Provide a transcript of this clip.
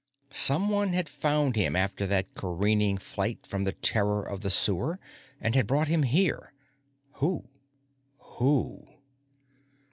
Someone had found him after that careening flight from the terror of the sewer and had brought him here. Who? _Who?